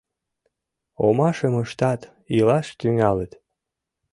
Омашым ыштат, илаш тӱҥалыт.